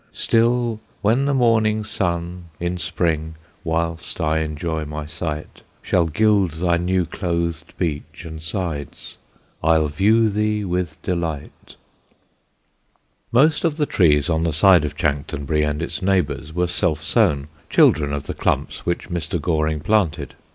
Still when the morning Sun in Spring, Whilst I enjoy my sight, Shall gild thy new clothed Beech and sides, I'll view thee with delight. Most of the trees on the side of Chanctonbury and its neighbours were self sown, children of the clumps which Mr. Goring planted.